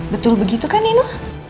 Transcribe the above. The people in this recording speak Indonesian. betul begitu kan nino